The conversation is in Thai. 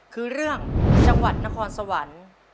คือเรื่องจังหวัดนครสวรรค์